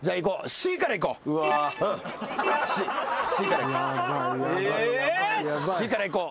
Ｃからいこう。